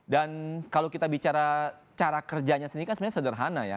dan kalau kita bicara cara kerjanya sendiri kan sebenarnya sederhana ya